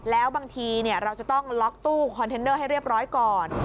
แล้วบางทีเราจะต้องล็อกตู้คอนเทนเนอร์ให้เรียบร้อยก่อน